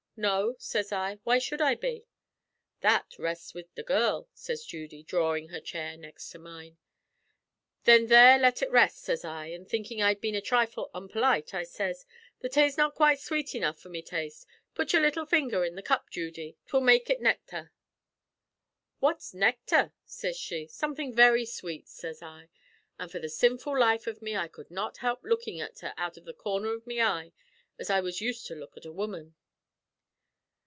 "'No,' sez I. 'Why should I be?' "'That rests wid the girl,' sez Judy, dhrawin' her chair next to mine. "'Thin there let ut rest,' sez I; an' thinkin' I'd been a trifle onpolite, I sez, 'The tay's not quite sweet enough for me taste. Put your little finger in the cup, Judy; 'twill make ut nechthar.' "'What's necthar?' sez she. "'Somethin' very sweet,' sez I; an' for the sinful life av me I cud not help lookin' at her out av the corner av my eye, as I was used to look at a woman.